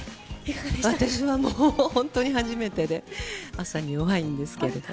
私は本当に初めてで朝に弱いんですけれども。